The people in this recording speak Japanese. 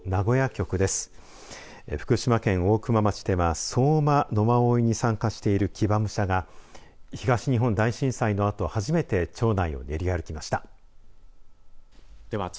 町では相馬野馬追に参加している騎馬武者が東日本大震災のあと初めて町内を練り歩きました。